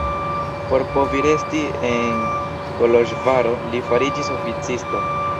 Por povi resti en Koloĵvaro li fariĝis oficisto.